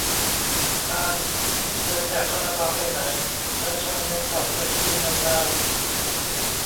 ปาน นี่เธอจะคาราบาวไปไหน ราชาเงินผ่อน ราชินีเงินดาวน์